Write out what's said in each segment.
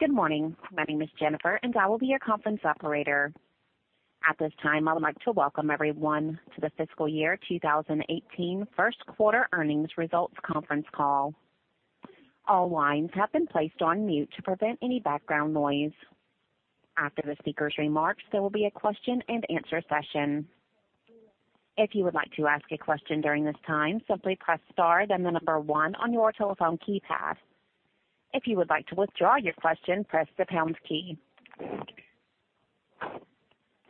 Good morning. My name is Jennifer, and I will be your conference operator. At this time, I'd like to welcome everyone to the fiscal year 2018 first quarter earnings results conference call. All lines have been placed on mute to prevent any background noise. After the speaker's remarks, there will be a question and answer session. If you would like to ask a question during this time, simply press star then the number one on your telephone keypad. If you would like to withdraw your question, press the pounds key.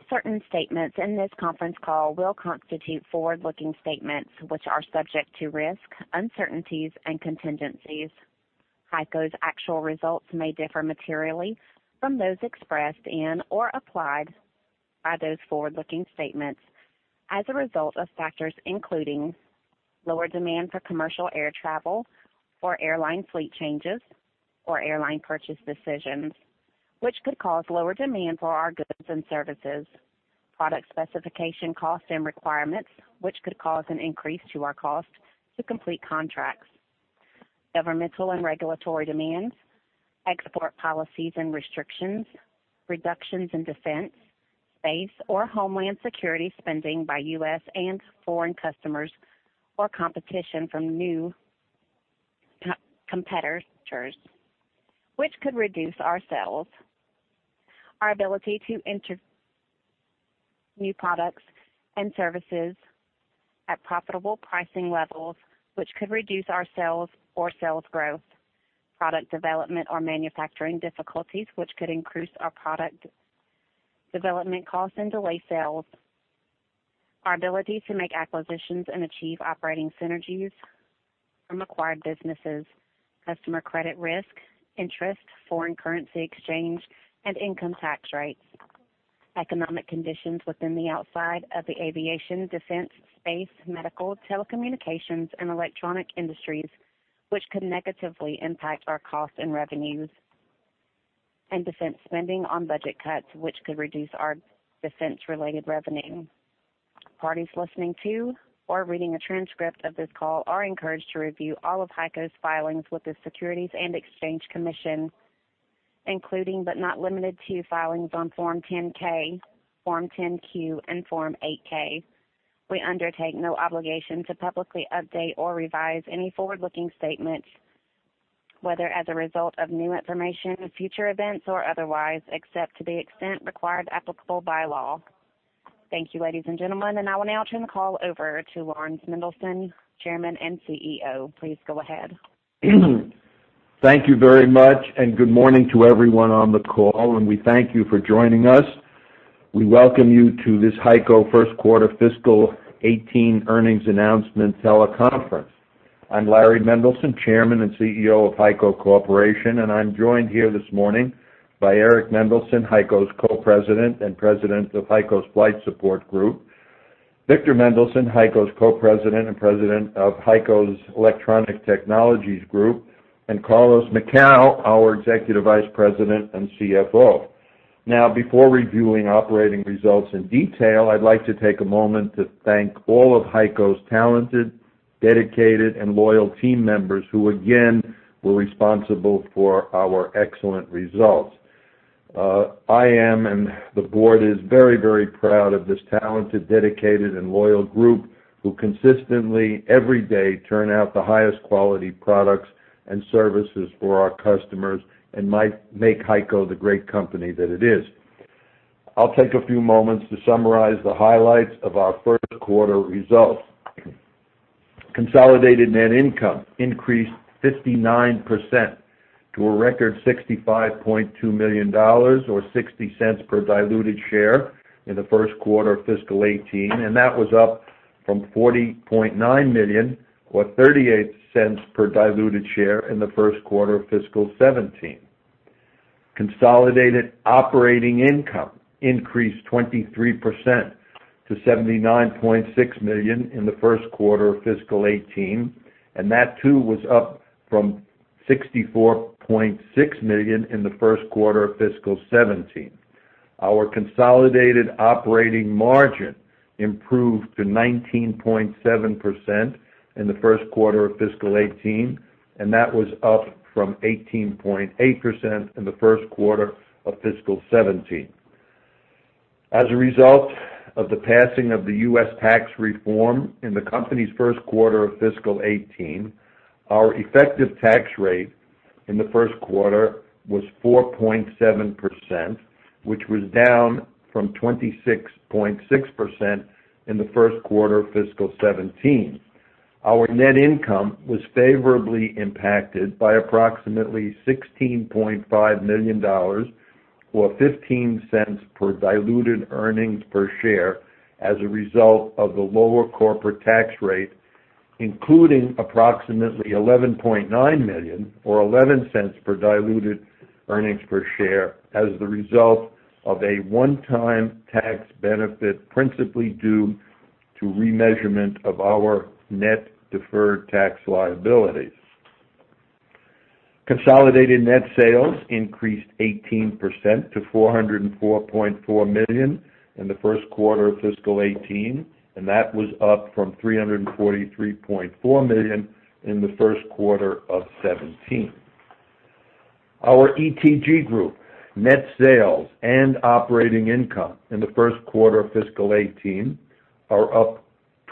Certain statements in this conference call will constitute forward-looking statements, which are subject to risk, uncertainties, and contingencies. HEICO's actual results may differ materially from those expressed in or implied by those forward-looking statements as a result of factors including lower demand for commercial air travel or airline fleet changes or airline purchase decisions, which could cause lower demand for our goods and services. Product specification costs and requirements, which could cause an increase to our cost to complete contracts. Governmental and regulatory demands, export policies and restrictions, reductions in defense, space, or homeland security spending by U.S. Foreign customers, or competition from new competitors, which could reduce our sales, our ability to enter new products and services at profitable pricing levels, which could reduce our sales or sales growth, product development or manufacturing difficulties which could increase our product development costs and delay sales, our ability to make acquisitions and achieve operating synergies from acquired businesses, customer credit risk, interest, foreign currency exchange, and income tax rates. Economic conditions within the outside of the aviation, defense, space, medical, telecommunications, and electronic industries, which could negatively impact our cost and revenues, and defense spending on budget cuts, which could reduce our defense-related revenue. Parties listening to or reading a transcript of this call are encouraged to review all of HEICO's filings with the Securities and Exchange Commission, including but not limited to filings on Form 10-K, Form 10-Q, and Form 8-K. We undertake no obligation to publicly update or revise any forward-looking statements, whether as a result of new information, future events, or otherwise, except to the extent required applicable by law. Thank you, ladies and gentlemen, and I will now turn the call over to Laurans Mendelson, Chairman and CEO. Please go ahead. Thank you very much. Good morning to everyone on the call, and we thank you for joining us. We welcome you to this HEICO first-quarter fiscal 2018 earnings announcement teleconference. I'm Larry Mendelson, Chairman and Chief Executive Officer of HEICO Corporation, and I'm joined here this morning by Eric Mendelson, HEICO's Co-President and President of HEICO's Flight Support Group; Victor Mendelson, HEICO's Co-President and President of HEICO's Electronic Technologies Group; and Carlos Macau, our Executive Vice President and CFO. Before reviewing operating results in detail, I'd like to take a moment to thank all of HEICO's talented, dedicated, and loyal team members who again were responsible for our excellent results. I am, and the board is very proud of this talented, dedicated, and loyal group who consistently, every day, turn out the highest quality products and services for our customers and make HEICO the great company that it is. I'll take a few moments to summarize the highlights of our first quarter results. Consolidated net income increased 59% to a record $65.2 million, or $0.60 per diluted share in the first quarter of fiscal 2018. That was up from $40.9 million or $0.38 per diluted share in the first quarter of fiscal 2017. Consolidated operating income increased 23% to $79.6 million in the first quarter of fiscal 2018. That too was up from $64.6 million in the first quarter of fiscal 2017. Our consolidated operating margin improved to 19.7% in the first quarter of fiscal 2018. That was up from 18.8% in the first quarter of fiscal 2017. As a result of the passing of the U.S. tax reform in the company's first quarter of fiscal 2018, our effective tax rate in the first quarter was 4.7%, which was down from 26.6% in the first quarter of fiscal 2017. Our net income was favorably impacted by approximately $16.5 million, or $0.15 per diluted earnings per share as a result of the lower corporate tax rate, including approximately $11.9 million or $0.11 per diluted earnings per share as the result of a one-time tax benefit principally due to remeasurement of our net deferred tax liabilities. Consolidated net sales increased 18% to $404.4 million in the first quarter of fiscal 2018. That was up from $343.4 million in the first quarter of 2017. Our ETG group net sales and operating income in the first quarter of fiscal 2018 are up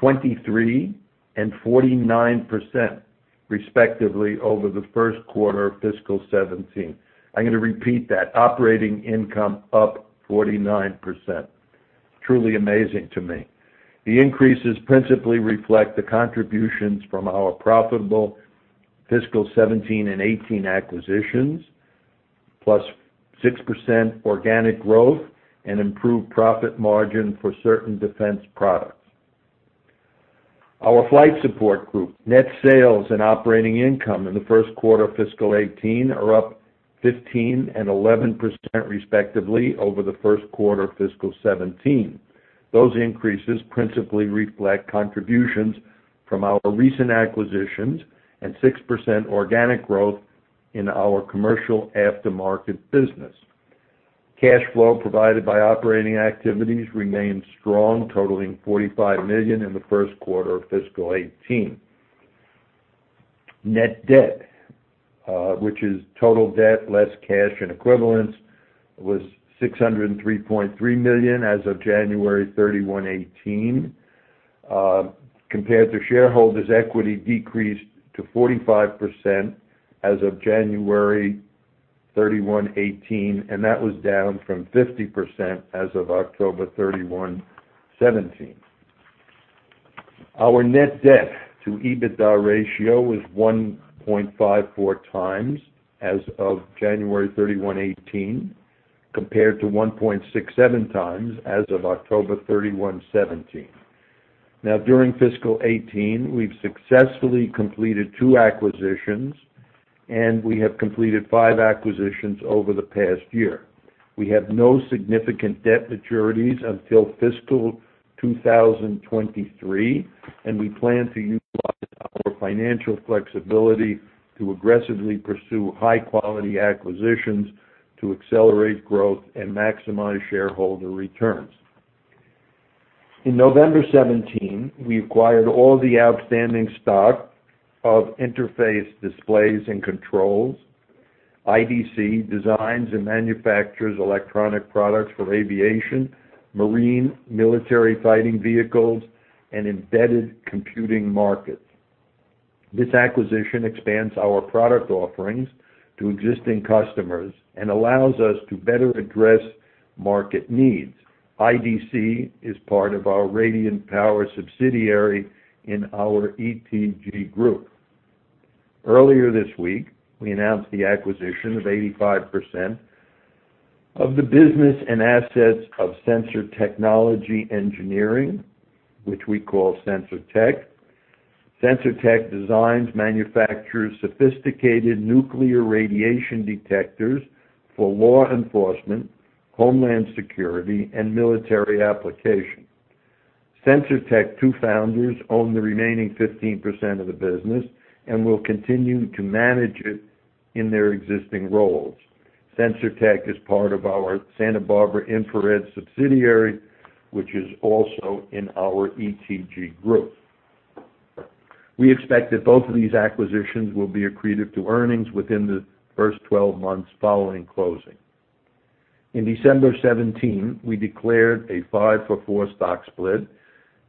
23% and 49%, respectively, over the first quarter of fiscal 2017. I'm going to repeat that. Operating income up 49%. Truly amazing to me. The increases principally reflect the contributions from our profitable fiscal 2017 and 2018 acquisitions, plus 6% organic growth and improved profit margin for certain defense products. Our Flight Support Group net sales and operating income in the first quarter of fiscal 2018 are up 15% and 11%, respectively, over the first quarter of fiscal 2017. Those increases principally reflect contributions from our recent acquisitions and 6% organic growth in our commercial aftermarket business. Cash flow provided by operating activities remains strong, totaling $45 million in the first quarter of fiscal 2018. Net debt, which is total debt less cash and equivalents, was $603.3 million as of January 31, 2018, compared to shareholders' equity decreased to 45% as of January 31, 2018. That was down from 50% as of October 31, 2017. Our net debt to EBITDA ratio was 1.54 times as of January 31, 2018, compared to 1.67 times as of October 31, 2017. During fiscal 2018, we've successfully completed two acquisitions, and we have completed five acquisitions over the past year. We have no significant debt maturities until fiscal 2023, and we plan to utilize our financial flexibility to aggressively pursue high-quality acquisitions to accelerate growth and maximize shareholder returns. In November 2017, we acquired all the outstanding stock of Interface Displays & Controls. IDC designs and manufactures electronic products for aviation, marine, military fighting vehicles, and embedded computing markets. This acquisition expands our product offerings to existing customers and allows us to better address market needs. IDC is part of our Radiant Power subsidiary in our ETG group. Earlier this week, we announced the acquisition of 85% of the business and assets of Sensor Technology Engineering, which we call Sensortech. Sensortech designs, manufactures sophisticated nuclear radiation detectors for law enforcement, homeland security, and military application. Sensortech's two founders own the remaining 15% of the business and will continue to manage it in their existing roles. Sensortech is part of our Santa Barbara Infrared subsidiary, which is also in our ETG group. We expect that both of these acquisitions will be accretive to earnings within the first 12 months following closing. In December 2017, we declared a five-for-four stock split,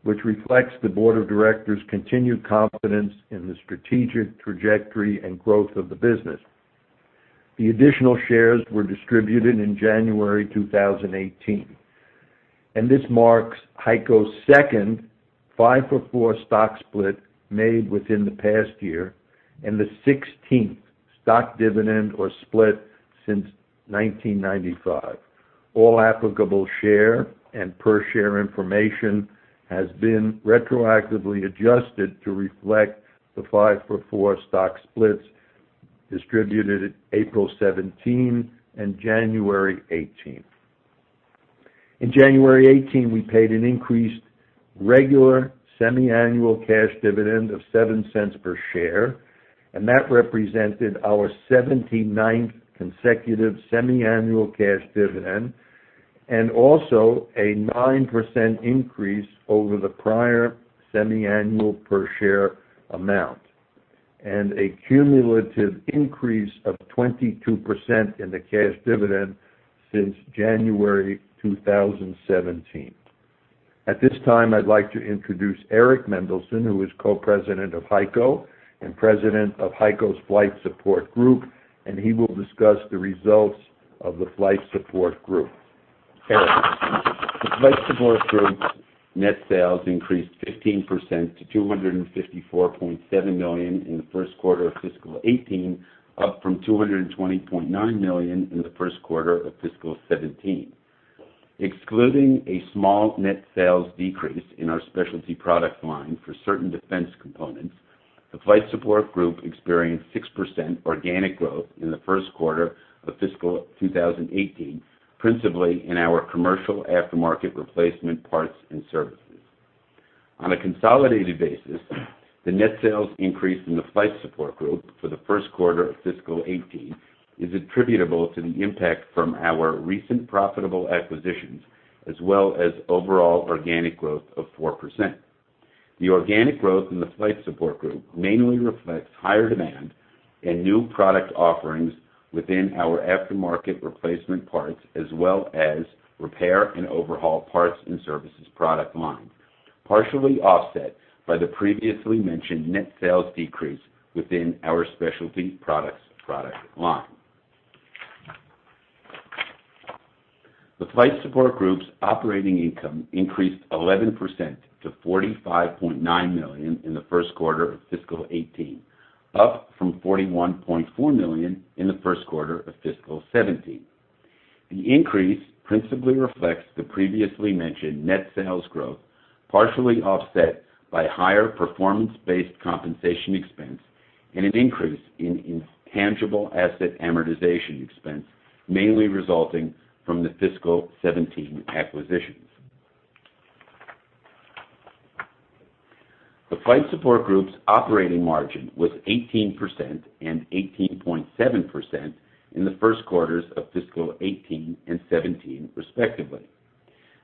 which reflects the board of directors' continued confidence in the strategic trajectory and growth of the business. The additional shares were distributed in January 2018, this marks HEICO's second five-for-four stock split made within the past year and the 16th stock dividend or split since 1995. All applicable share and per share information has been retroactively adjusted to reflect the five-for-four stock splits distributed April 2017 and January 2018. In January 2018, we paid an increased regular semiannual cash dividend of $0.07 per share, that represented our 79th consecutive semiannual cash dividend and also a 9% increase over the prior semiannual per share amount and a cumulative increase of 22% in the cash dividend since January 2017. At this time, I'd like to introduce Eric Mendelson, who is Co-President of HEICO and President of HEICO's Flight Support Group, he will discuss the results of the Flight Support Group. Eric? The Flight Support Group net sales increased 15% to $254.7 million in the first quarter of fiscal 2018, up from $220.9 million in the first quarter of fiscal 2017. Excluding a small net sales decrease in our specialty product line for certain defense components, the Flight Support Group experienced 6% organic growth in the first quarter of fiscal 2018, principally in our commercial aftermarket replacement parts and services. On a consolidated basis, the net sales increase in the Flight Support Group for the first quarter of fiscal 2018 is attributable to the impact from our recent profitable acquisitions, as well as overall organic growth of 4%. The organic growth in the Flight Support Group mainly reflects higher demand and new product offerings within our aftermarket replacement parts, as well as repair and overhaul parts and services product line, partially offset by the previously mentioned net sales decrease within our specialty products product line. The Flight Support Group's operating income increased 11% to $45.9 million in the first quarter of fiscal 2018, up from $41.4 million in the first quarter of fiscal 2017. The increase principally reflects the previously mentioned net sales growth, partially offset by higher performance-based compensation expense and an increase in intangible asset amortization expense, mainly resulting from the fiscal 2017 acquisitions. The Flight Support Group's operating margin was 18% and 18.7% in the first quarters of fiscal 2018 and 2017, respectively.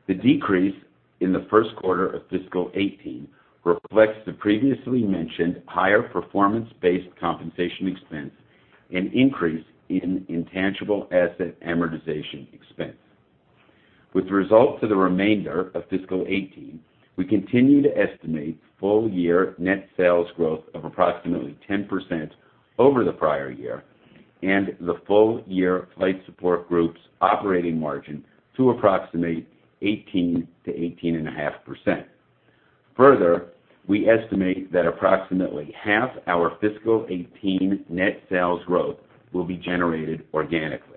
The decrease in the first quarter of fiscal 2018 reflects the previously mentioned higher performance-based compensation expense and increase in intangible asset amortization expense. With results for the remainder of fiscal 2018, we continue to estimate full-year net sales growth of approximately 10% over the prior year, and the full-year Flight Support Group's operating margin to approximate 18%-18.5%. Further, we estimate that approximately half our fiscal 2018 net sales growth will be generated organically.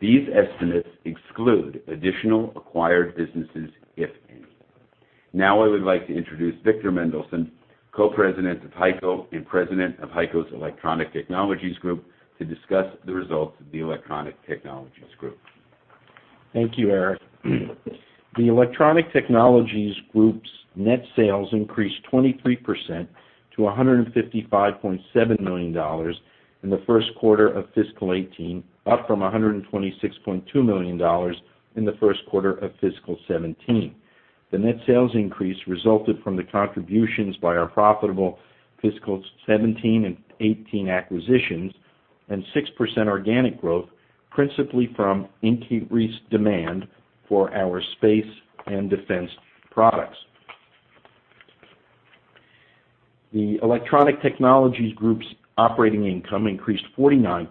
These estimates exclude additional acquired businesses, if any. I would like to introduce Victor Mendelson, Co-President of HEICO and President of HEICO's Electronic Technologies Group, to discuss the results of the Electronic Technologies Group. Thank you, Eric. The Electronic Technologies Group's net sales increased 23% to $155.7 million in the first quarter of fiscal 2018, up from $126.2 million in the first quarter of fiscal 2017. The net sales increase resulted from the contributions by our profitable fiscal 2017 and 2018 acquisitions, and 6% organic growth, principally from increased demand for our space and defense products. The Electronic Technologies Group's operating income increased 49%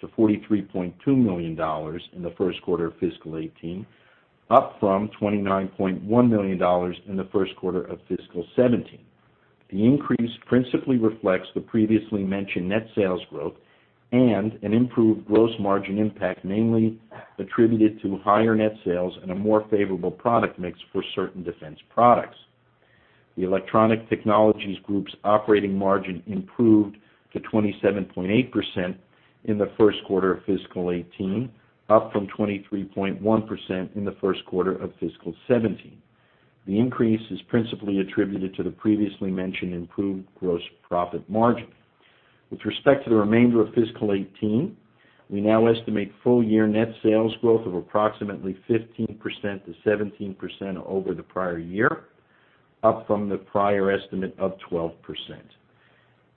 to $43.2 million in the first quarter of fiscal 2018, up from $29.1 million in the first quarter of fiscal 2017. The increase principally reflects the previously mentioned net sales growth and an improved gross margin impact, mainly attributed to higher net sales and a more favorable product mix for certain defense products. The Electronic Technologies Group's operating margin improved to 27.8% in the first quarter of fiscal 2018, up from 23.1% in the first quarter of fiscal 2017. The increase is principally attributed to the previously mentioned improved gross profit margin. With respect to the remainder of fiscal 2018, we now estimate full-year net sales growth of approximately 15%-17% over the prior year, up from the prior estimate of 12%,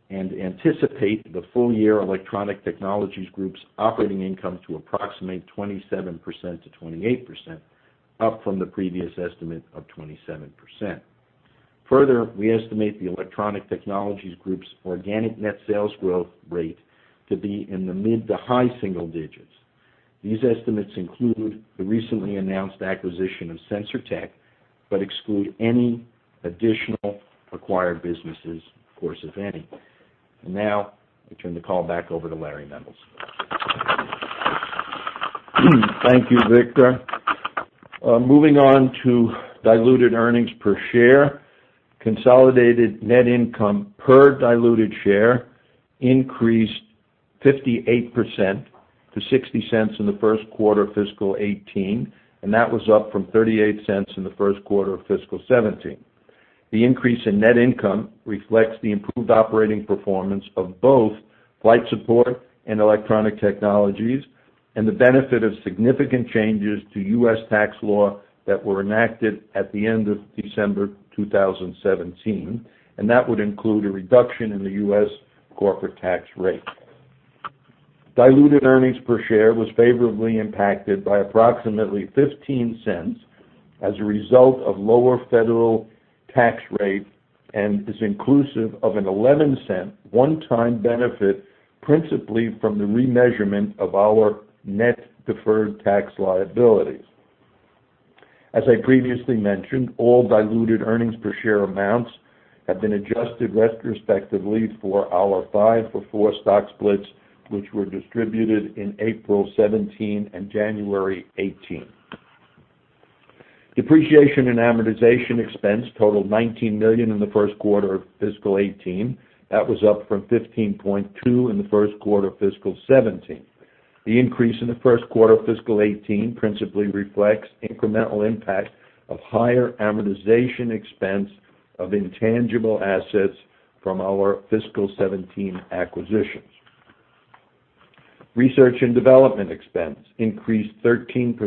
and anticipate the full-year Electronic Technologies Group's operating income to approximate 27%-28%, up from the previous estimate of 27%. Further, we estimate the Electronic Technologies Group's organic net sales growth rate to be in the mid-to-high single digits. These estimates include the recently announced acquisition of Sensor Tech, but exclude any additional acquired businesses, of course, if any. Now, I turn the call back over to Larry Mendelson. Thank you, Victor. Moving on to diluted earnings per share. Consolidated net income per diluted share increased 58% to $0.60 in the first quarter of fiscal 2018. That was up from $0.38 in the first quarter of fiscal 2017. The increase in net income reflects the improved operating performance of both Flight Support and Electronic Technologies, and the benefit of significant changes to U.S. tax law that were enacted at the end of December 2017. That would include a reduction in the U.S. corporate tax rate. Diluted earnings per share was favorably impacted by approximately $0.15 as a result of lower federal tax rate, and is inclusive of an $0.11 one-time benefit, principally from the remeasurement of our net deferred tax liabilities. As I previously mentioned, all diluted earnings per share amounts have been adjusted retrospectively for our 5-for-4 stock splits, which were distributed in April 2017 and January 2018. Depreciation and amortization expense totaled $19 million in the first quarter of fiscal 2018. That was up from $15.2 million in the first quarter of fiscal 2017. The increase in the first quarter of fiscal 2018 principally reflects incremental impact of higher amortization expense of intangible assets from our fiscal 2017 acquisitions. Research and development expense increased 13%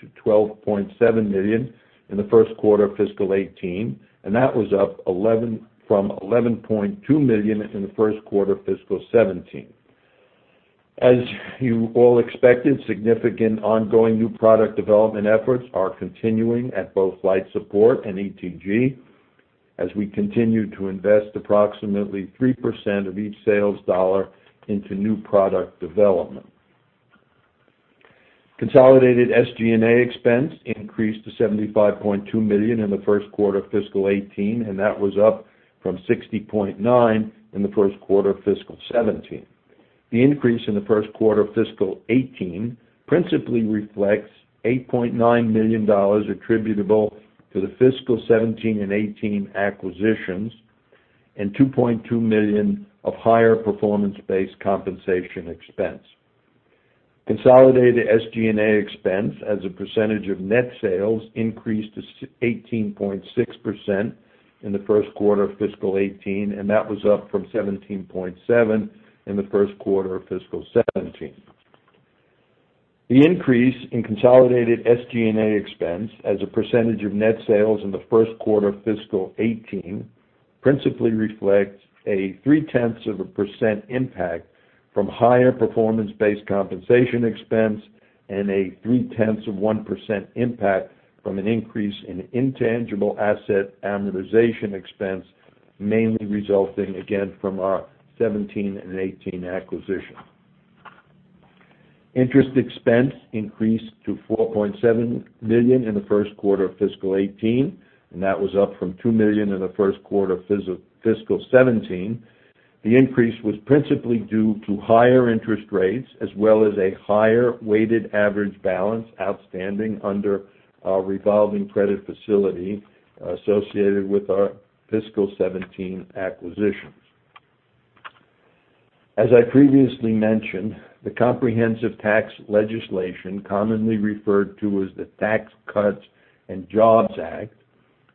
to $12.7 million in the first quarter of fiscal 2018. That was up from $11.2 million in the first quarter of fiscal 2017. As you all expected, significant ongoing new product development efforts are continuing at both Flight Support and ETG as we continue to invest approximately 3% of each sales dollar into new product development. Consolidated SG&A expense increased to $75.2 million in the first quarter of fiscal 2018. That was up from $60.9 million in the first quarter of fiscal 2017. The increase in the first quarter of fiscal 2018 principally reflects $8.9 million attributable to the fiscal 2017 and 2018 acquisitions and $2.2 million of higher performance-based compensation expense. Consolidated SG&A expense as a percentage of net sales increased to 18.6% in the first quarter of fiscal 2018. That was up from 17.7% in the first quarter of fiscal 2017. The increase in consolidated SG&A expense as a percentage of net sales in the first quarter of fiscal 2018 principally reflects a three-tenths of a percent impact from higher performance-based compensation expense and a three-tenths of 1% impact from an increase in intangible asset amortization expense, mainly resulting again from our 2017 and 2018 acquisitions. Interest expense increased to $4.7 million in the first quarter of fiscal 2018. That was up from $2 million in the first quarter of fiscal 2017. The increase was principally due to higher interest rates as well as a higher weighted average balance outstanding under our revolving credit facility associated with our fiscal 2017 acquisitions. As I previously mentioned, the comprehensive tax legislation, commonly referred to as the Tax Cuts and Jobs Act,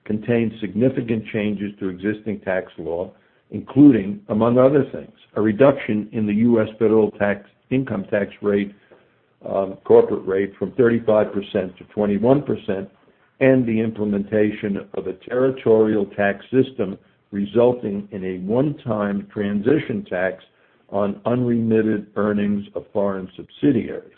contains significant changes to existing tax law, including, among other things, a reduction in the U.S. federal income tax corporate rate from 35%-21%, and the implementation of a territorial tax system resulting in a one-time transition tax on unremitted earnings of foreign subsidiaries.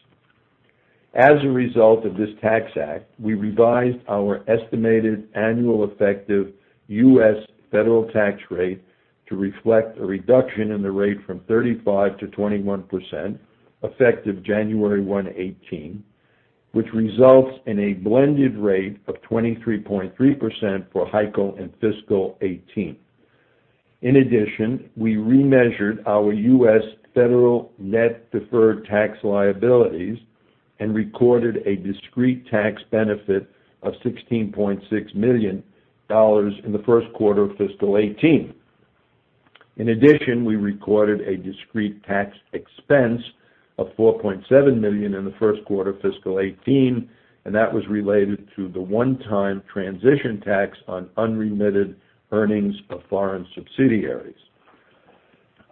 As a result of this tax act, we revised our estimated annual effective U.S. federal tax rate to reflect a reduction in the rate from 35%-21%, effective January 1, 2018, which results in a blended rate of 23.3% for HEICO in fiscal 2018. In addition, we remeasured our U.S. federal net deferred tax liabilities and recorded a discrete tax benefit of $16.6 million in the first quarter of fiscal 2018. In addition, we recorded a discrete tax expense of $4.7 million in the first quarter of fiscal 2018. That was related to the one-time transition tax on unremitted earnings of foreign subsidiaries.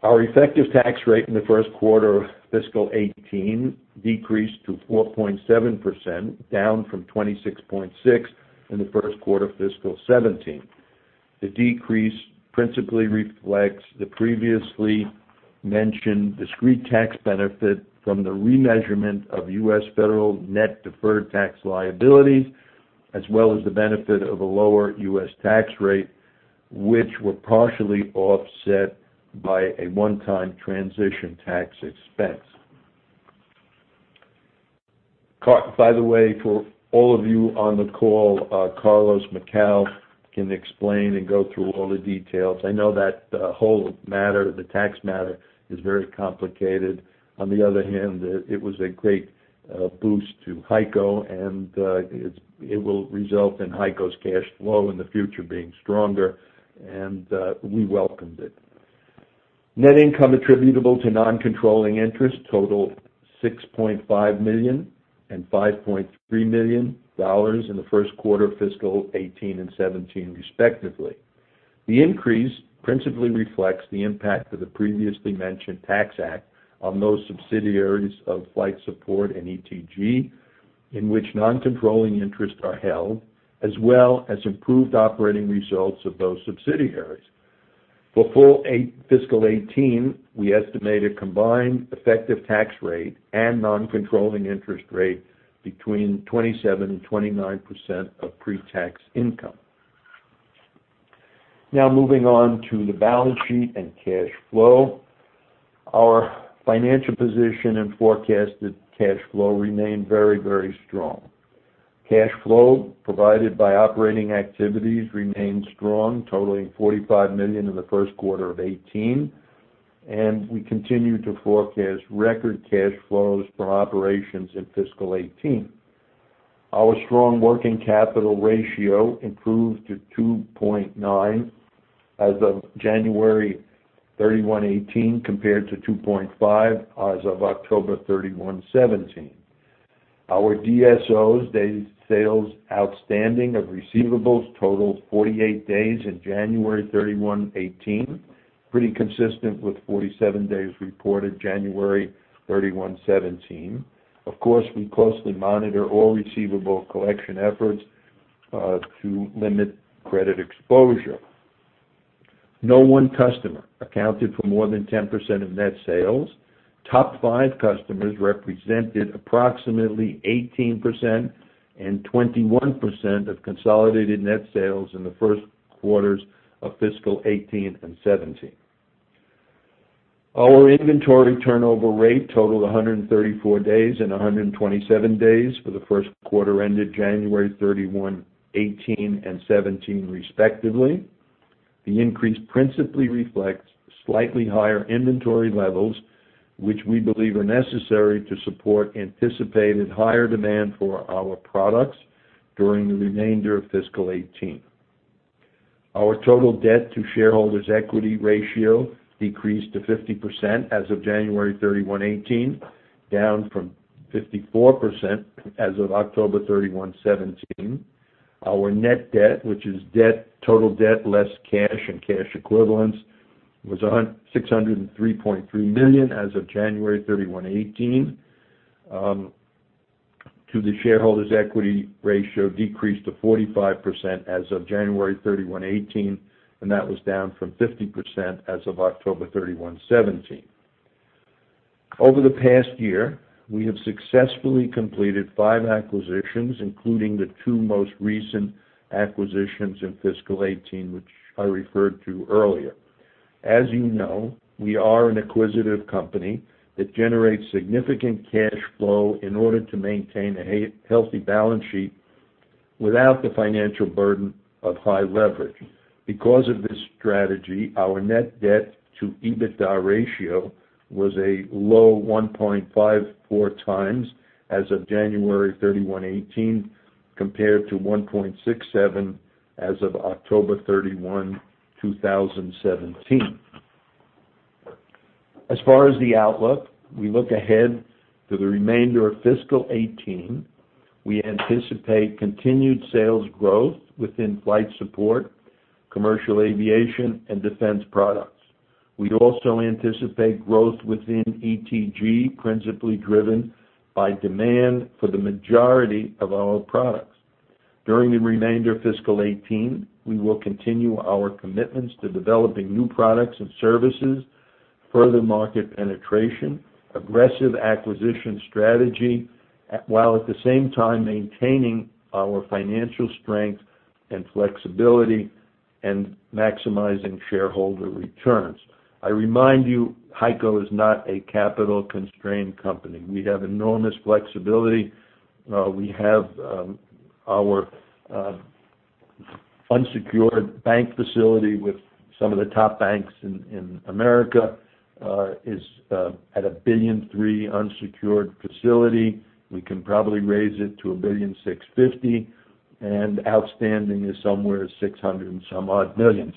Our effective tax rate in the first quarter of fiscal 2018 decreased to 4.7%, down from 26.6% in the first quarter of fiscal 2017. The decrease principally reflects the previously mentioned discrete tax benefit from the remeasurement of U.S. federal net deferred tax liabilities, as well as the benefit of a lower U.S. tax rate, which were partially offset by a one-time transition tax expense. By the way, for all of you on the call, Carlos Macau can explain and go through all the details. I know that the whole tax matter is very complicated. On the other hand, it was a great boost to HEICO. It will result in HEICO's cash flow in the future being stronger, and we welcomed it. Net income attributable to non-controlling interests totaled $6.5 million and $5.3 million in the first quarter of fiscal 2018 and 2017, respectively. The increase principally reflects the impact of the previously mentioned Tax Act on those subsidiaries of Flight Support and ETG, in which non-controlling interests are held, as well as improved operating results of those subsidiaries. For full fiscal 2018, we estimate a combined effective tax rate and non-controlling interest rate between 27%-29% of pre-tax income. Now moving on to the balance sheet and cash flow. Our financial position and forecasted cash flow remain very strong. Cash flow provided by operating activities remained strong, totaling $45 million in the first quarter of 2018. We continue to forecast record cash flows from operations in fiscal 2018. Our strong working capital ratio improved to 2.9 as of January 31, 2018, compared to 2.5 as of October 31, 2017. Our DSOs, days sales outstanding of receivables, totaled 48 days in January 31, 2018. Pretty consistent with 47 days reported January 31, 2017. Of course, we closely monitor all receivable collection efforts to limit credit exposure. No one customer accounted for more than 10% of net sales. Top five customers represented approximately 18%-21% of consolidated net sales in the first quarters of fiscal 2018 and 2017. Our inventory turnover rate totaled 134 days and 127 days for the first quarter ended January 31, 2018 and 2017, respectively. The increase principally reflects slightly higher inventory levels, which we believe are necessary to support anticipated higher demand for our products during the remainder of fiscal 2018. Our total debt to shareholders' equity ratio decreased to 50% as of January 31, 2018, down from 54% as of October 31, 2017. Our net debt, which is total debt less cash and cash equivalents, was $603.3 million as of January 31, 2018. To the shareholders' equity ratio decreased to 45% as of January 31, 2018. That was down from 50% as of October 31, 2017. Over the past year, we have successfully completed five acquisitions, including the two most recent acquisitions in fiscal 2018, which I referred to earlier. As you know, we are an acquisitive company that generates significant cash flow in order to maintain a healthy balance sheet without the financial burden of high leverage. Because of this strategy, our net debt to EBITDA ratio was a low 1.54 times as of January 31, 2018, compared to 1.67 as of October 31, 2017. As far as the outlook, we look ahead to the remainder of fiscal 2018. We anticipate continued sales growth within Flight Support, commercial aviation, and defense products. We also anticipate growth within ETG, principally driven by demand for the majority of our products. During the remainder of fiscal 2018, we will continue our commitments to developing new products and services, further market penetration, aggressive acquisition strategy, while at the same time maintaining our financial strength and flexibility and maximizing shareholder returns. I remind you, HEICO is not a capital-constrained company. We have enormous flexibility. We have our unsecured bank facility with some of the top banks in America is at a $1.3 billion unsecured facility. We can probably raise it to $1.65 billion. Outstanding is somewhere $600 and some odd million.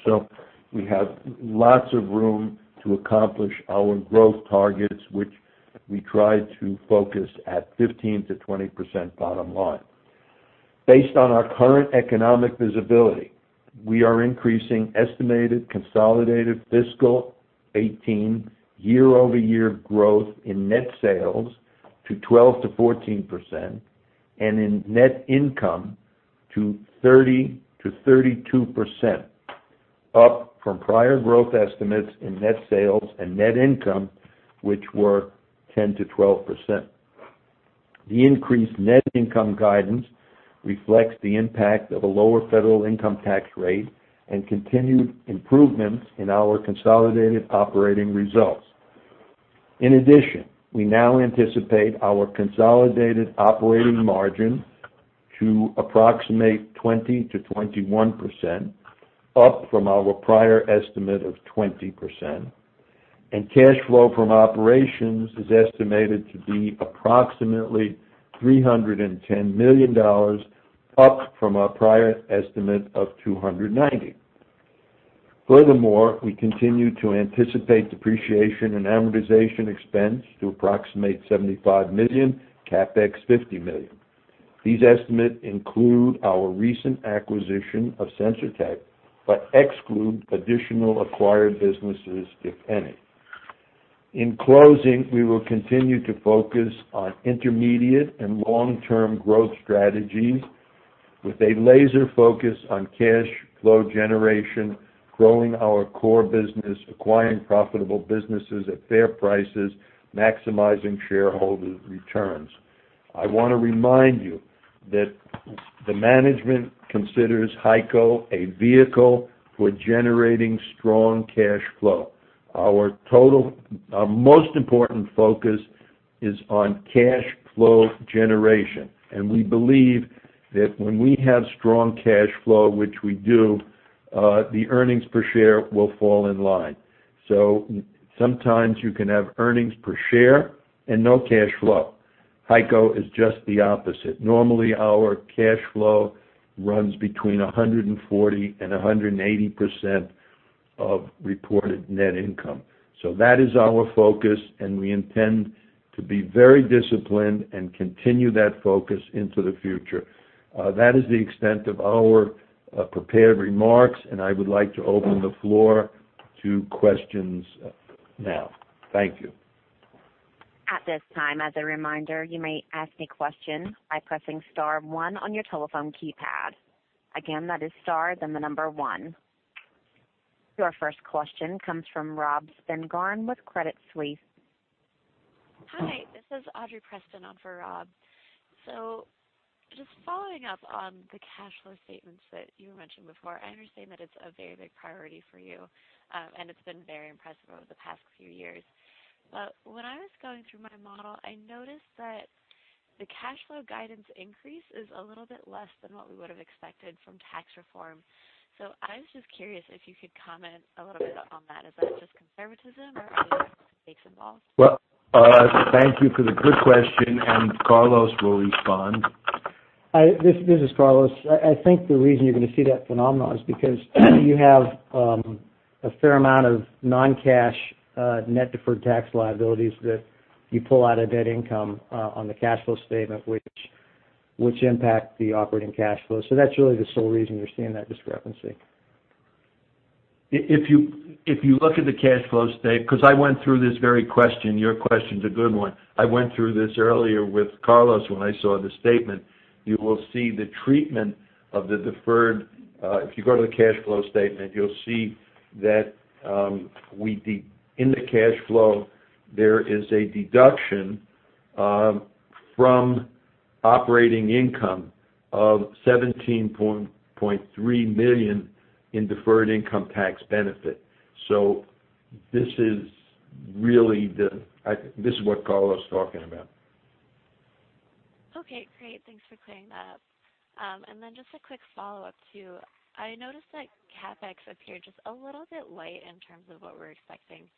We have lots of room to accomplish our growth targets, which we try to focus at 15%-20% bottom line. Based on our current economic visibility, we are increasing estimated consolidated fiscal 2018 year-over-year growth in net sales to 12%-14%, and in net income to 30%-32%, up from prior growth estimates in net sales and net income, which were 10%-12%. The increased net income guidance reflects the impact of a lower federal income tax rate and continued improvements in our consolidated operating results. In addition, we now anticipate our consolidated operating margin to approximate 20%-21%, up from our prior estimate of 20%. Cash flow from operations is estimated to be approximately $310 million, up from our prior estimate of $290 million. Furthermore, we continue to anticipate depreciation and amortization expense to approximate $75 million, CapEx $50 million. These estimates include our recent acquisition of Sensor Tech, but exclude additional acquired businesses, if any. In closing, we will continue to focus on intermediate and long-term growth strategies with a laser focus on cash flow generation, growing our core business, acquiring profitable businesses at fair prices, maximizing shareholder returns. I want to remind you that the management considers HEICO a vehicle for generating strong cash flow. Our most important focus is on cash flow generation. We believe that when we have strong cash flow, which we do, the earnings per share will fall in line. Sometimes you can have earnings per share and no cash flow. HEICO is just the opposite. Normally, our cash flow runs between 140%-180% of reported net income. That is our focus, we intend to be very disciplined and continue that focus into the future. That is the extent of our prepared remarks, I would like to open the floor to questions now. Thank you. At this time, as a reminder, you may ask a question by pressing star one on your telephone keypad. Again, that is star, then the number one. Your first question comes from Rob Spingarn with Credit Suisse. Hi, this is Audrey Preston on for Rob. Just following up on the cash flow statements that you mentioned before. I understand that it's a very big priority for you, it's been very impressive over the past few years. When I was going through my model, I noticed that the cash flow guidance increase is a little bit less than what we would have expected from tax reform. I was just curious if you could comment a little bit on that. Is that just conservatism or are there other considerations involved? Well, Audrey, thank you for the good question, Carlos will respond. This is Carlos. I think the reason you're going to see that phenomenon is because you have a fair amount of non-cash net deferred tax liabilities that you pull out of net income on the cash flow statement, which impact the operating cash flow. That's really the sole reason you're seeing that discrepancy. If you look at the cash flow statement, because I went through this very question, your question's a good one. I went through this earlier with Carlos when I saw the statement. If you go to the cash flow statement, you'll see that in the cash flow, there is a deduction from operating income of $17.3 million in deferred income tax benefit. This is what Carlos is talking about. Okay, great. Thanks for clearing that up. Then just a quick follow-up too. I noticed that CapEx appeared just a little bit light in terms of what we're expecting.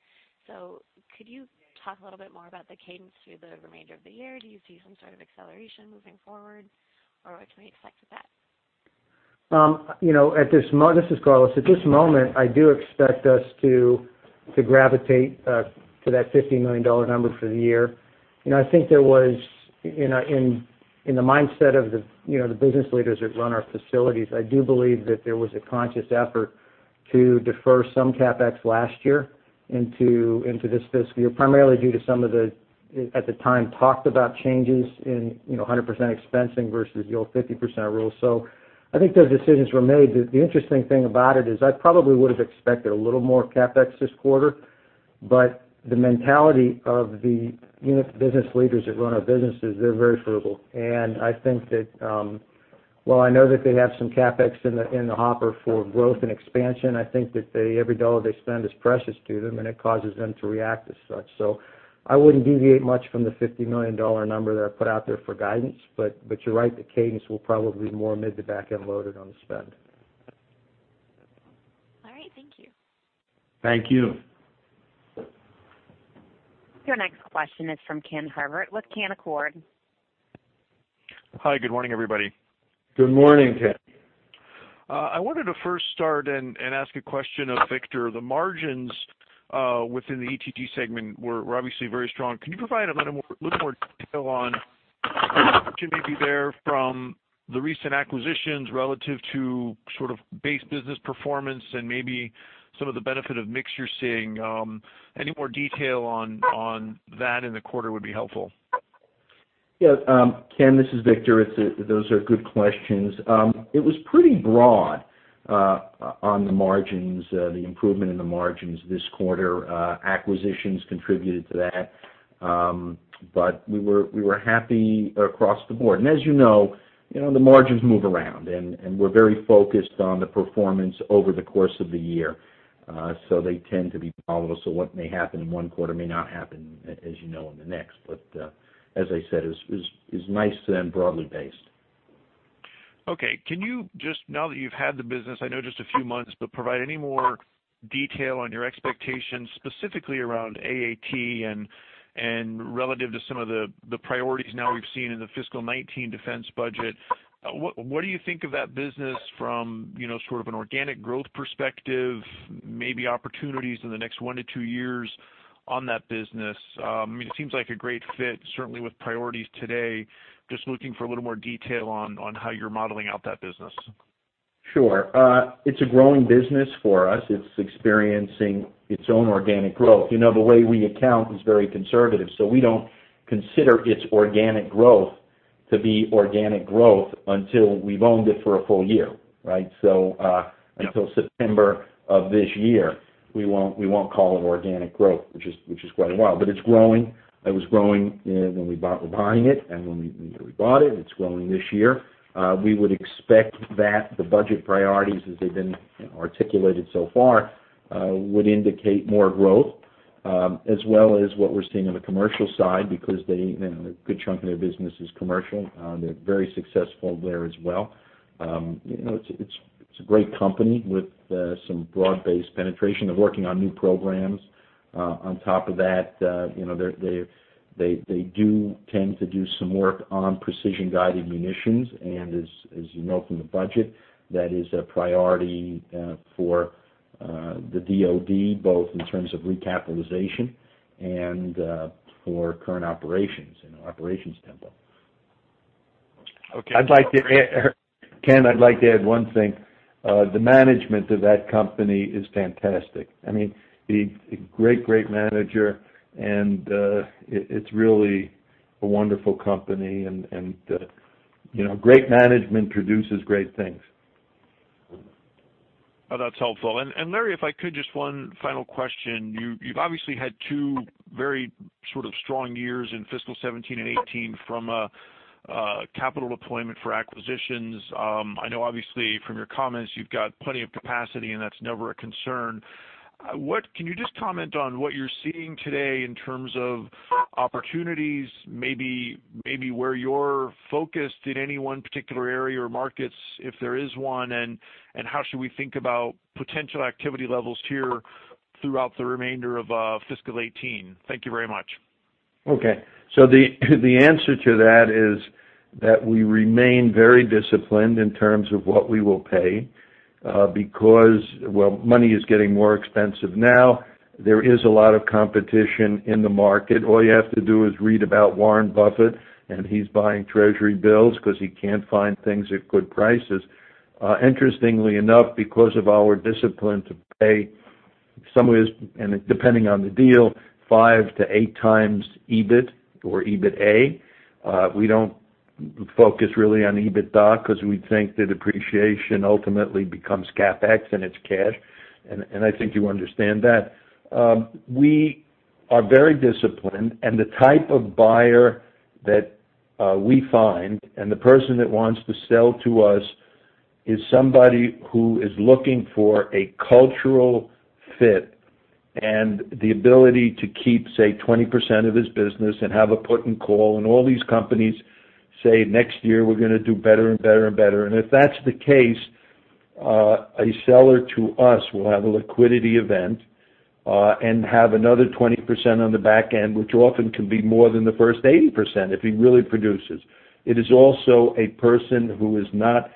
Could you talk a little bit more about the cadence through the remainder of the year? Do you see some sort of acceleration moving forward? What can we expect with that? This is Carlos. At this moment, I do expect us to gravitate to that $50 million number for the year. In the mindset of the business leaders that run our facilities, I do believe that there was a conscious effort to defer some CapEx last year into this fiscal year, primarily due to some of the, at the time, talked about changes in 100% expensing versus the old 50% rule. I think those decisions were made. The interesting thing about it is I probably would have expected a little more CapEx this quarter, the mentality of the business leaders that run our businesses, they're very frugal. While I know that they have some CapEx in the hopper for growth and expansion, I think that every dollar they spend is precious to them, and it causes them to react as such. I wouldn't deviate much from the $50 million number that I put out there for guidance. You're right, the cadence will probably be more mid to back-end loaded on the spend. All right. Thank you. Thank you. Your next question is from Ken Herbert with Canaccord. Hi, good morning, everybody. Good morning, Ken. I wanted to first start and ask a question of Victor. The margins within the ETG segment were obviously very strong. Can you provide a little more detail on the contribution maybe there from the recent acquisitions relative to base business performance and maybe some of the benefit of mix you're seeing? Any more detail on that in the quarter would be helpful. Yes, Ken, this is Victor. Those are good questions. It was pretty broad on the margins, the improvement in the margins this quarter. Acquisitions contributed to that. We were happy across the board. As you know, the margins move around, and we're very focused on the performance over the course of the year. They tend to be volatile. What may happen in one quarter may not happen, as you know, in the next. As I said, it was nice and broadly based. Okay. Can you just, now that you've had the business, I know just a few months, but provide any more detail on your expectations, specifically around AAT and relative to some of the priorities now we've seen in the fiscal 2019 defense budget. What do you think of that business from sort of an organic growth perspective, maybe opportunities in the next one to two years on that business? It seems like a great fit, certainly with priorities today. Just looking for a little more detail on how you're modeling out that business. Sure. It's a growing business for us. It's experiencing its own organic growth. The way we account is very conservative, so we don't consider its organic growth to be organic growth until we've owned it for a full year, right? Until September of this year, we won't call it organic growth, which is quite a while. It's growing. It was growing when we were buying it, and when we bought it. It's growing this year. We would expect that the budget priorities, as they've been articulated so far, would indicate more growth, as well as what we're seeing on the commercial side, because a good chunk of their business is commercial. They're very successful there as well. It's a great company with some broad-based penetration. They're working on new programs. On top of that, they do tend to do some work on precision-guided munitions, and as you know from the budget, that is a priority for The DOD, both in terms of recapitalization and for current operations and our operations tempo. Okay. Ken, I'd like to add one thing. The management of that company is fantastic. A great manager, and it's really a wonderful company. Great management produces great things. That's helpful. Larry, if I could, just one final question. You've obviously had two very strong years in fiscal 2017 and 2018 from a capital deployment for acquisitions. I know obviously from your comments, you've got plenty of capacity, and that's never a concern. Can you just comment on what you're seeing today in terms of opportunities, maybe where your focus in any one particular area or markets, if there is one, and how should we think about potential activity levels here throughout the remainder of fiscal 2018? Thank you very much. Okay. The answer to that is that we remain very disciplined in terms of what we will pay, because, well, money is getting more expensive now. There is a lot of competition in the market. All you have to do is read about Warren Buffett, and he's buying Treasury bills because he can't find things at good prices. Interestingly enough, because of our discipline to pay some of this, and depending on the deal, five to eight times EBIT or EBITA, we don't focus really on EBITDA because we think depreciation ultimately becomes CapEx and it's cash. I think you understand that. We are very disciplined. The type of buyer that we find and the person that wants to sell to us is somebody who is looking for a cultural fit and the ability to keep, say, 20% of his business and have a put and call. All these companies say, "Next year, we're going to do better and better." If that's the case, a seller to us will have a liquidity event, and have another 20% on the back end, which often can be more than the first 80% if he really produces. It is also a person who is not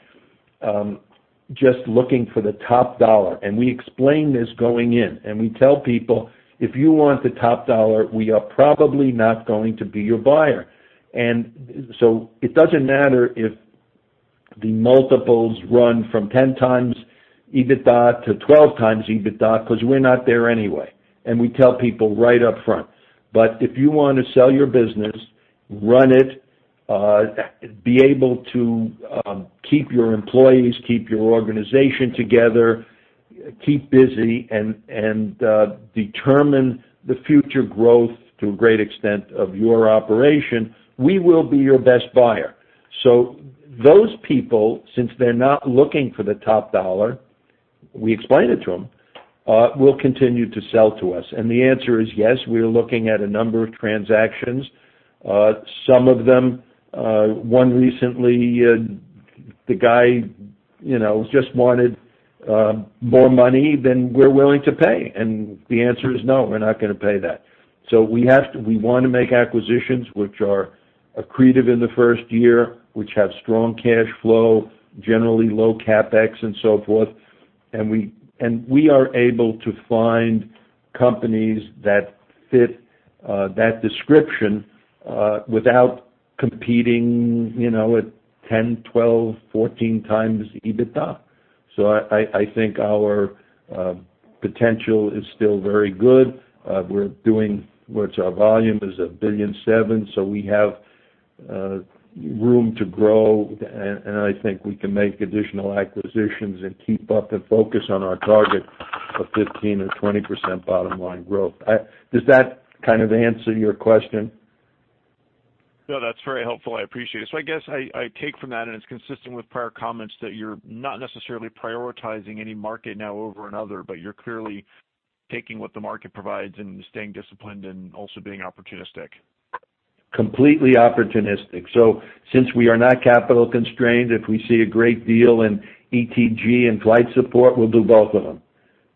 just looking for the top dollar. We explain this going in, and we tell people, "If you want the top dollar, we are probably not going to be your buyer." It doesn't matter if the multiples run from 10 times EBITDA to 12 times EBITDA because we're not there anyway. We tell people right up front. If you want to sell your business, run it, be able to keep your employees, keep your organization together, keep busy, and determine the future growth to a great extent of your operation, we will be your best buyer. Those people, since they're not looking for the top dollar, we explain it to them, will continue to sell to us. The answer is yes, we are looking at a number of transactions. One recently, the guy just wanted more money than we're willing to pay. The answer is no, we're not going to pay that. We want to make acquisitions which are accretive in the first year, which have strong cash flow, generally low CapEx and so forth. We are able to find companies that fit that description, without competing with 10, 12, 14 times EBITDA. I think our potential is still very good. Our volume is $1.7 billion, so we have room to grow, and I think we can make additional acquisitions and keep up the focus on our target of 15% or 20% bottom line growth. Does that kind of answer your question? No, that's very helpful, I appreciate it. I guess I take from that, and it's consistent with prior comments, that you're not necessarily prioritizing any market now over another, but you're clearly taking what the market provides and staying disciplined and also being opportunistic. Completely opportunistic. Since we are not capital constrained, if we see a great deal in ETG and Flight Support, we'll do both of them.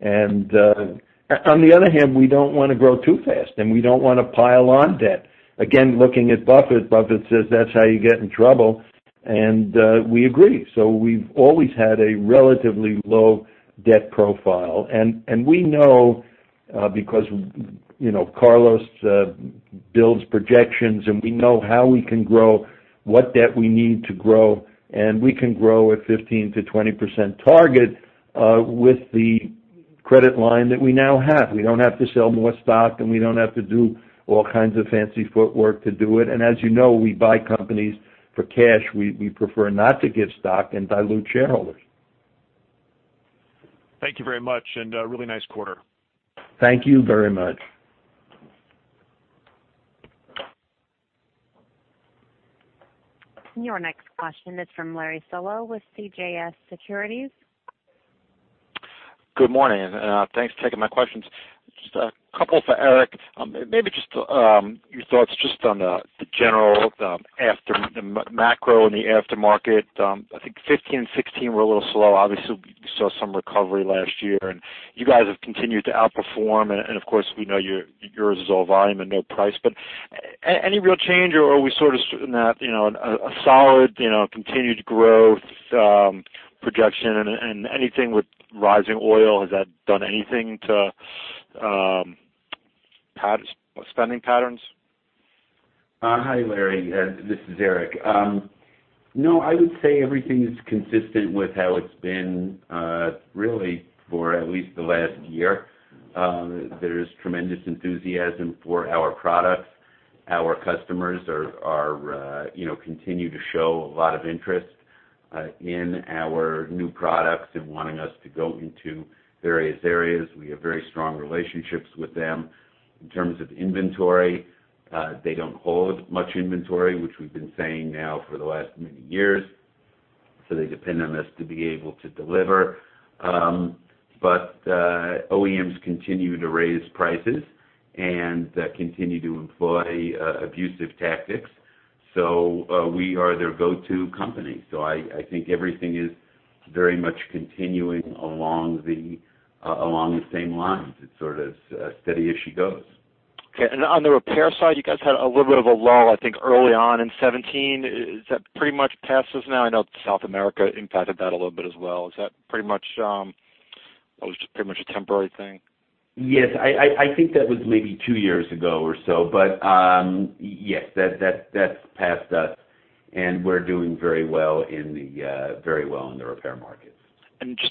On the other hand, we don't want to grow too fast, and we don't want to pile on debt. Again, looking at Buffett says that's how you get in trouble, and we agree. We've always had a relatively low debt profile. We know because Carlos builds projections and we know how we can grow, what debt we need to grow, and we can grow at 15%-20% target, with the credit line that we now have. We don't have to sell more stock, and we don't have to do all kinds of fancy footwork to do it. As you know, we buy companies for cash. We prefer not to give stock and dilute shareholders. Thank you very much, and a really nice quarter. Thank you very much. Your next question is from Larry Solow with CJS Securities. Good morning. Thanks for taking my questions. Just a couple for Eric. Maybe just your thoughts on the general macro and the aftermarket. I think 2015 and 2016 were a little slow. Obviously, we saw some recovery last year, and you guys have continued to outperform. Of course, we know yours is all volume and no price. Any real change or are we sort of in that a solid, continued growth projection and anything with rising oil, has that done anything to spending patterns? Hi, Larry, this is Eric. I would say everything is consistent with how it's been really for at least the last year. There's tremendous enthusiasm for our products. Our customers continue to show a lot of interest in our new products and wanting us to go into various areas. We have very strong relationships with them. In terms of inventory, they don't hold much inventory, which we've been saying now for the last many years. They depend on us to be able to deliver. OEMs continue to raise prices and continue to employ abusive tactics. We are their go-to company. I think everything is very much continuing along the same lines. It's sort of steady as she goes. Okay. On the repair side, you guys had a little bit of a lull, I think, early on in 2017. Has that pretty much passed us now? I know South America impacted that a little bit as well. Is that pretty much a temporary thing? Yes. I think that was maybe two years ago or so, but, yes. That's past us, and we're doing very well in the repair markets.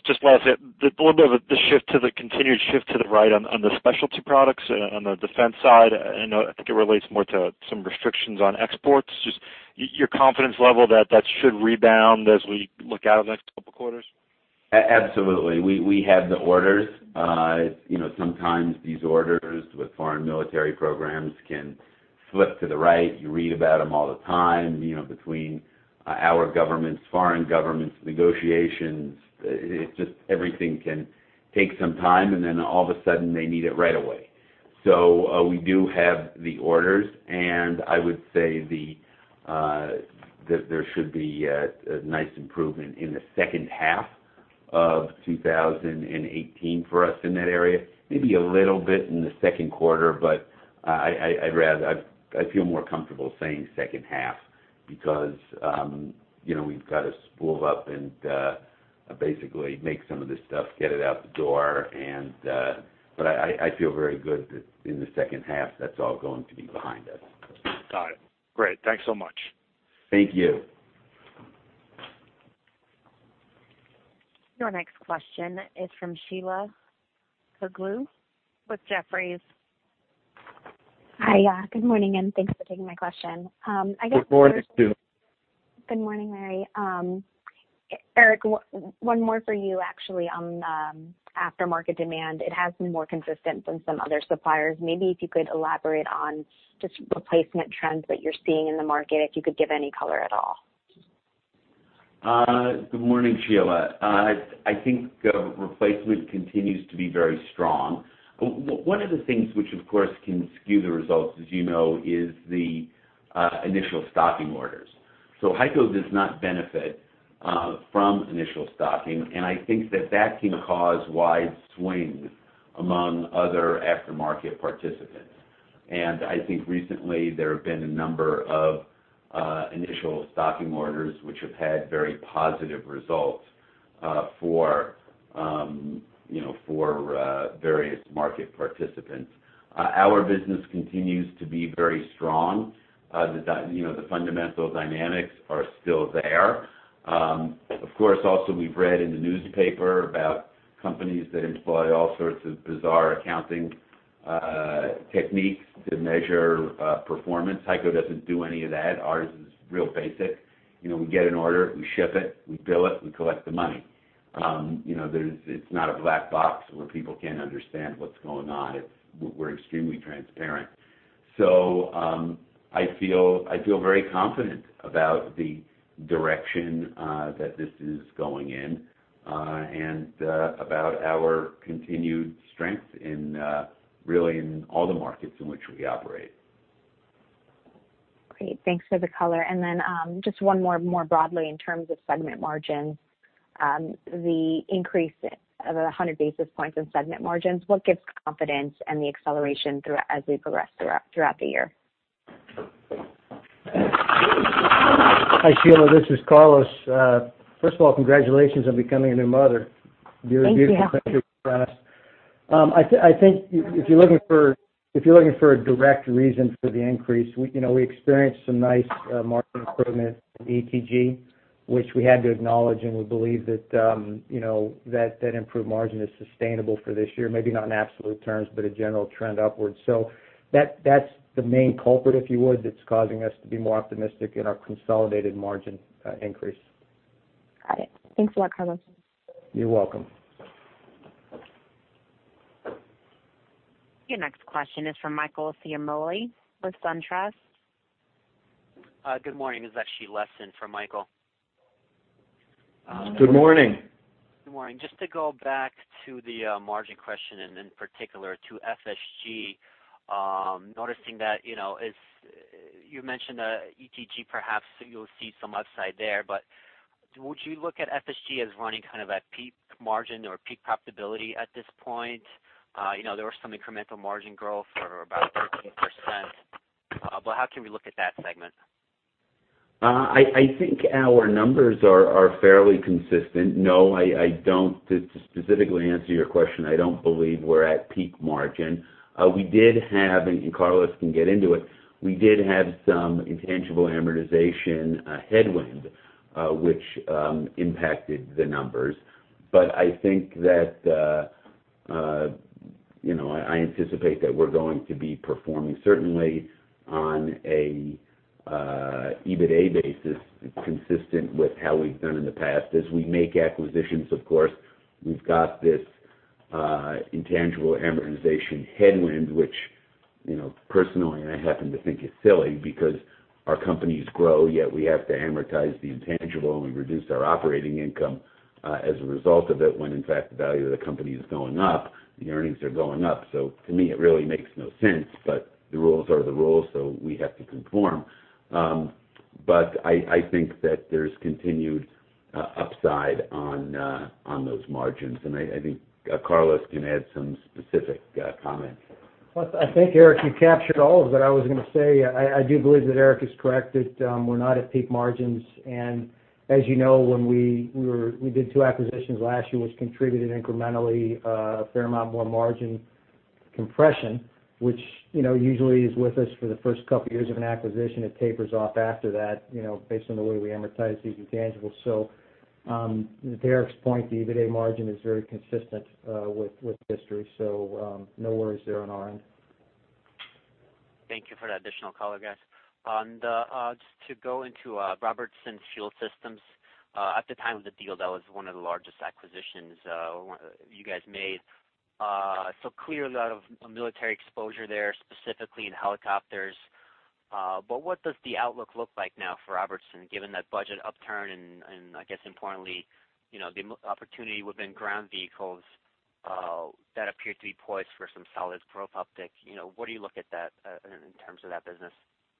Just last, a little bit of the continued shift to the right on the specialty products on the defense side, and I think it relates more to some restrictions on exports. Just your confidence level that that should rebound as we look out over the next couple of quarters. Absolutely. We have the orders. Sometimes these orders with foreign military programs can flip to the right. You read about them all the time, between our governments, foreign governments, negotiations. It's just everything can take some time, and then all of a sudden they need it right away. We do have the orders, and I would say that there should be a nice improvement in the second half of 2018 for us in that area. Maybe a little bit in the second quarter, but I feel more comfortable saying second half because we've got to spool up and basically make some of this stuff, get it out the door. I feel very good that in the second half, that's all going to be behind us. Got it. Great. Thanks so much. Thank you. Your next question is from Sheila Kahyaoglu with Jefferies. Hi. Good morning, and thanks for taking my question. Good morning, Sheila. Good morning, Larry. Eric, one more for you actually on the aftermarket demand. It has been more consistent than some other suppliers. Maybe if you could elaborate on just replacement trends that you're seeing in the market, if you could give any color at all. Good morning, Sheila. I think replacement continues to be very strong. One of the things which, of course, can skew the results, as you know, is the initial stocking orders. HEICO does not benefit from initial stocking, and I think that that can cause wide swings among other aftermarket participants. I think recently there have been a number of initial stocking orders which have had very positive results for various market participants. Our business continues to be very strong. The fundamental dynamics are still there. Of course, also we've read in the newspaper about companies that employ all sorts of bizarre accounting techniques to measure performance. HEICO doesn't do any of that. Ours is real basic. We get an order, we ship it, we bill it, we collect the money. It's not a black box where people can't understand what's going on. We're extremely transparent. I feel very confident about the direction that this is going in, and about our continued strength really in all the markets in which we operate. Great. Thanks for the color. Just one more broadly in terms of segment margins. The increase of 100 basis points in segment margins, what gives confidence and the acceleration as we progress throughout the year? Hi, Sheila. This is Carlos. First of all, congratulations on becoming a new mother. Thank you. You're a beautiful picture with us. I think if you're looking for a direct reason for the increase, we experienced some nice margin improvement in ETG, which we had to acknowledge, and we believe that improved margin is sustainable for this year, maybe not in absolute terms, but a general trend upwards. That's the main culprit, if you would, that's causing us to be more optimistic in our consolidated margin increase. Got it. Thanks a lot, Carlos. You're welcome. Your next question is from Michael Ciarmoli with SunTrust. Good morning. This is actually Les on for Michael. Good morning. Good morning. Just to go back to the margin question and in particular to FSG, noticing that you mentioned ETG perhaps you'll see some upside there, Would you look at FSG as running kind of at peak margin or peak profitability at this point? There was some incremental margin growth or about 13%, but how can we look at that segment? I think our numbers are fairly consistent. No, to specifically answer your question, I don't believe we're at peak margin. We did have, and Carlos can get into it, we did have some intangible amortization headwind, which impacted the numbers. I anticipate that we're going to be performing, certainly on an EBITDA basis, consistent with how we've done in the past. As we make acquisitions, of course, we've got this intangible amortization headwind, which personally, I happen to think is silly because our companies grow, yet we have to amortize the intangible, and we reduce our operating income, as a result of it, when in fact, the value of the company is going up, the earnings are going up. To me, it really makes no sense, the rules are the rules, so we have to conform. I think that there's continued upside on those margins, and I think Carlos can add some specific comments. Well, I think, Eric, you captured all of what I was going to say. I do believe that Eric is correct, that we're not at peak margins. As you know, when we did two acquisitions last year, which contributed incrementally a fair amount more margin compression, which usually is with us for the first couple of years of an acquisition. It tapers off after that, based on the way we amortize these intangibles. To Eric's point, the EBITDA margin is very consistent with history. No worries there on our end. Thank you for that additional color, guys. Just to go into Robertson Fuel Systems. At the time of the deal, that was one of the largest acquisitions you guys made. Clearly a lot of military exposure there, specifically in helicopters. What does the outlook look like now for Robertson, given that budget upturn and, I guess importantly, the opportunity within ground vehicles, that appear to be poised for some solid growth uptick. What do you look at that, in terms of that business?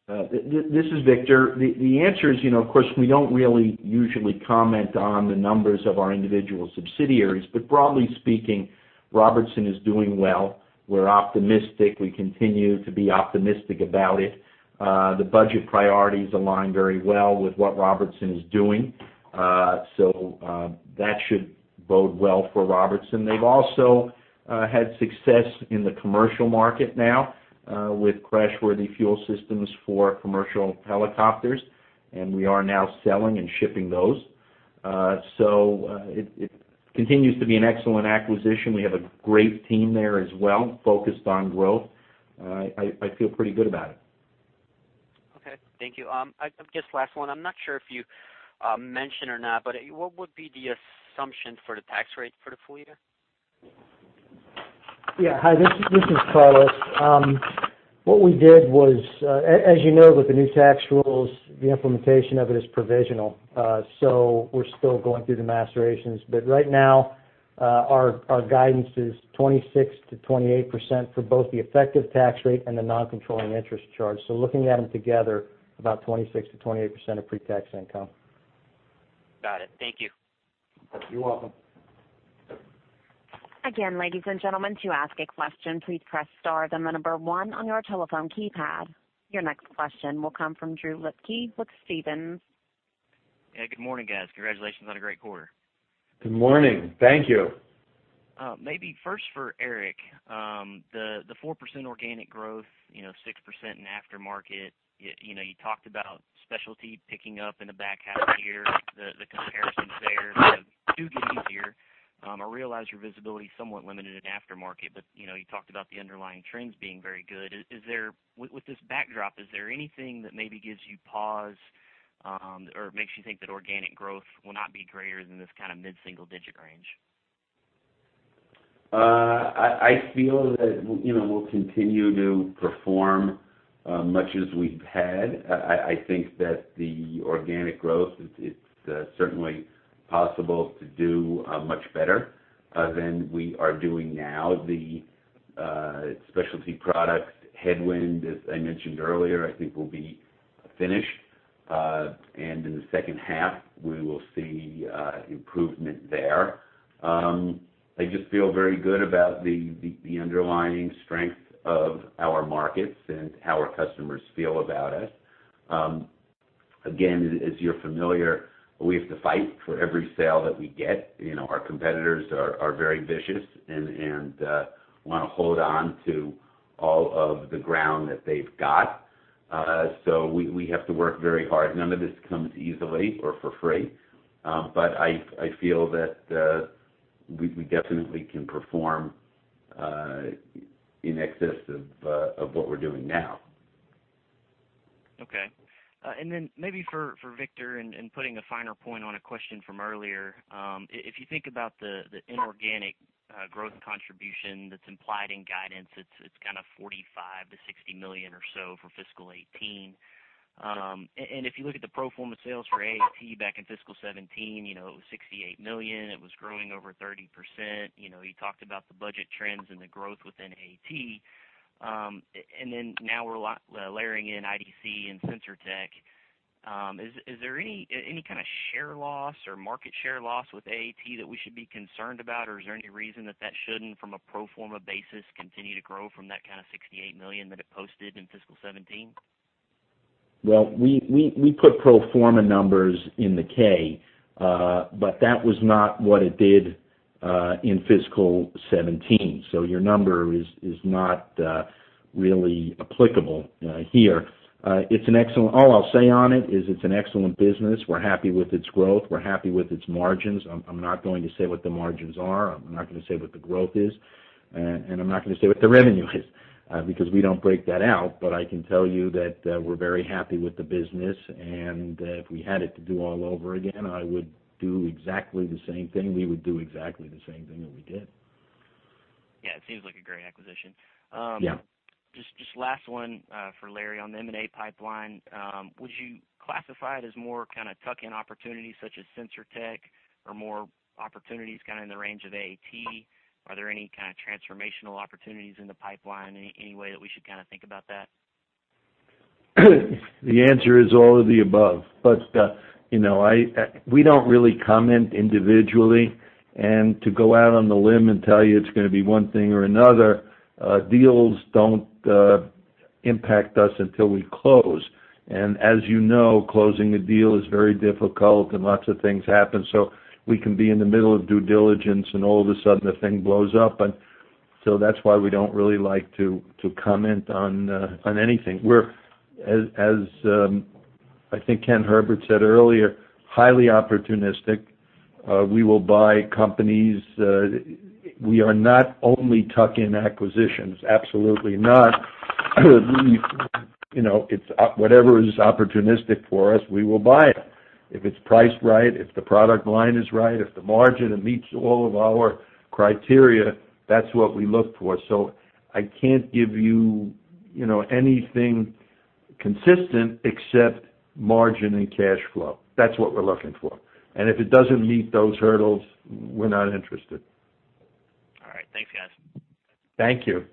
This is Victor. The answer is, of course, we don't really usually comment on the numbers of our individual subsidiaries. Broadly speaking, Robertson is doing well. We're optimistic. We continue to be optimistic about it. The budget priorities align very well with what Robertson is doing. That should bode well for Robertson. They've also had success in the commercial market now, with crash-worthy fuel systems for commercial helicopters, and we are now selling and shipping those. It continues to be an excellent acquisition. We have a great team there as well, focused on growth. I feel pretty good about it. Okay. Thank you. Just last one. I'm not sure if you mentioned or not, but what would be the assumption for the tax rate for the full year? Yeah. Hi, this is Carlos. What we did was, as you know, with the new tax rules, the implementation of it is provisional. We're still going through the machinations. Right now, our guidance is 26%-28% for both the effective tax rate and the non-controlling interest charge. Looking at them together, about 26%-28% of pre-tax income. Got it. Thank you. You're welcome. Again, ladies and gentlemen, to ask a question, please press star then the number one on your telephone keypad. Your next question will come from Drew Lipke with Stephens. Good morning, guys. Congratulations on a great quarter. Good morning. Thank you. Maybe first for Eric, the 4% organic growth, 6% in aftermarket. You talked about specialty picking up in the back half of the year, the comparisons there do get easier. I realize your visibility is somewhat limited in aftermarket, but you talked about the underlying trends being very good. With this backdrop, is there anything that maybe gives you pause, or makes you think that organic growth will not be greater than this kind of mid-single digit range? I feel that we'll continue to perform much as we've had. I think that the organic growth, it's certainly possible to do much better than we are doing now. The specialty products headwind, as I mentioned earlier, I think will be finished. In the second half, we will see improvement there. I just feel very good about the underlying strength of our markets and how our customers feel about us. Again, as you're familiar, we have to fight for every sale that we get. Our competitors are very vicious and want to hold on to all of the ground that they've got. We have to work very hard. None of this comes easily or for free. I feel that we definitely can perform in excess of what we're doing now. Okay. For Victor, putting a finer point on a question from earlier, if you think about the inorganic growth contribution that's implied in guidance, it's kind of $45 million-$60 million or so for fiscal 2018. If you look at the pro forma sales for AAT back in fiscal 2017, it was $68 million. It was growing over 30%. You talked about the budget trends and the growth within AAT. Now we're layering in IDC and Sensor Tech. Is there any kind of share loss or market share loss with AAT that we should be concerned about? Is there any reason that that shouldn't, from a pro forma basis, continue to grow from that kind of $68 million that it posted in fiscal 2017? Well, we put pro forma numbers in the K. That was not what it did in fiscal 2017. Your number is not really applicable here. All I'll say on it is it's an excellent business. We're happy with its growth. We're happy with its margins. I'm not going to say what the margins are. I'm not going to say what the growth is, and I'm not going to say what the revenue is because we don't break that out. I can tell you that we're very happy with the business, and if we had it to do all over again, I would do exactly the same thing. We would do exactly the same thing that we did. Yeah, it seems like a great acquisition. Yeah. Just last one for Larry on the M&A pipeline. Would you classify it as more kind of tuck-in opportunities such as Sensor Tech or more opportunities kind of in the range of AAT? Are there any kind of transformational opportunities in the pipeline, any way that we should kind of think about that? The answer is all of the above. We don't really comment individually and to go out on the limb and tell you it's going to be one thing or another, deals don't impact us until we close. As you know, closing a deal is very difficult and lots of things happen. We can be in the middle of due diligence and all of a sudden the thing blows up. That's why we don't really like to comment on anything. We're, as I think Ken Herbert said earlier, highly opportunistic. We will buy companies. We are not only tuck-in acquisitions, absolutely not. Whatever is opportunistic for us, we will buy it. If it's priced right, if the product line is right, if the margin, it meets all of our criteria, that's what we look for. I can't give you anything consistent except margin and cash flow. That's what we're looking for. If it doesn't meet those hurdles, we're not interested. All right. Thanks, guys. Thank you.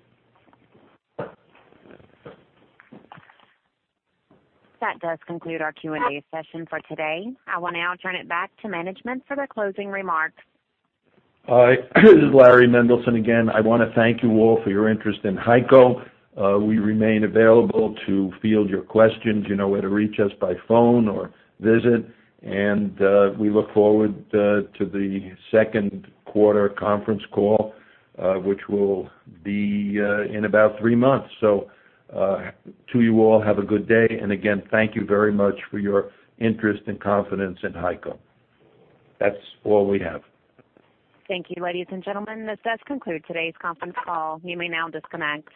That does conclude our Q&A session for today. I will now turn it back to management for their closing remarks. Hi. This is Larry Mendelson again. I want to thank you all for your interest in HEICO. We remain available to field your questions. You know where to reach us by phone or visit, and we look forward to the second quarter conference call, which will be in about three months. To you all, have a good day, and again, thank you very much for your interest and confidence in HEICO. That's all we have. Thank you, ladies and gentlemen. This does conclude today's conference call. You may now disconnect.